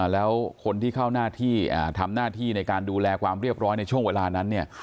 แล้วคนที่เข้าหน้าที่ทำหน้าที่ในการดูแลความเรียบร้อยในช่วงเวลานั้นเนี่ย